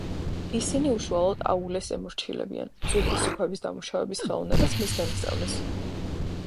ისინი უშუალოდ აულეს ემორჩილებიან, ძვირფასი ქვების დამუშავების ხელოვნებაც მისგან ისწავლეს.